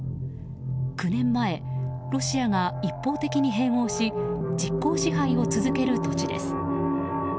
９年前、ロシアが一方的に併合し実効支配を続ける土地です。